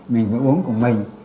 mình phải uống cùng mình